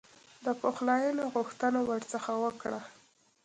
د پخلایني غوښتنه ورڅخه وکړه.